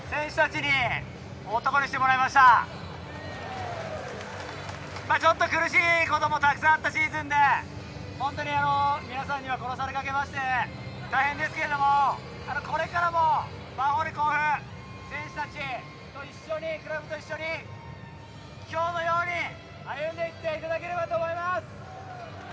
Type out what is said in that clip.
ちょっと苦しいこともたくさんあったシーズンで本当に皆さんには殺されかけまして大変ですけれどもこれからもヴァンフォーレ甲府選手たちと一緒にクラブと一緒に今日のように歩んでいっていただければと思います。